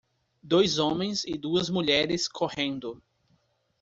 Dois homens e duas mulheres correndo.